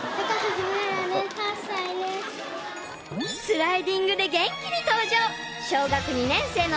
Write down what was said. ［スライディングで元気に登場！］